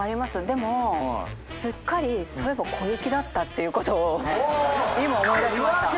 でもすっかりそういえば小雪だったっていうことを今思い出しました。